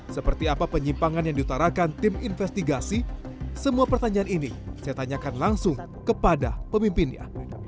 seperti apa penyimpangan yang diutarakan tim investigasi semua pertanyaan ini saya tanyakan langsung kepada pemimpinnya